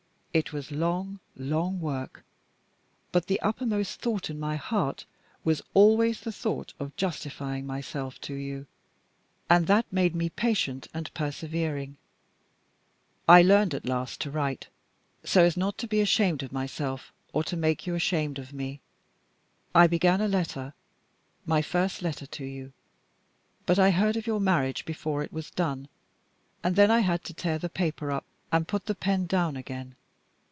It was long, long work; but the uppermost thought in my heart was always the thought of justifying myself to you, and that made me patient and persevering. I learned, at last, to write so as not to be ashamed of myself, or to make you ashamed of me. I began a letter my first letter to you but I heard of your marriage before it was done, and then I had to tear the paper up, and put the pen down again.